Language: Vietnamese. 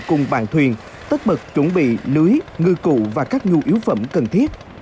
cùng bàn thuyền tất bật chuẩn bị lưới ngư cụ và các nhu yếu phẩm cần thiết